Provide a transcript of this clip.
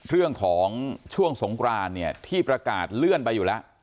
เรื่องของช่วงสงกรานเนี่ยที่ประกาศเลื่อนไปอยู่แล้ว